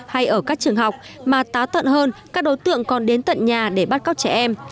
hay ở các trường học mà tá tận hơn các đối tượng còn đến tận nhà để bắt cóc trẻ em